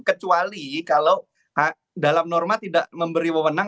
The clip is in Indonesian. kecuali kalau dalam norma tidak memberikan